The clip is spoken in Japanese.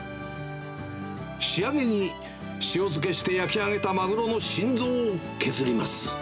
仕上げに、塩漬けして焼き上げたマグロの心臓を削ります。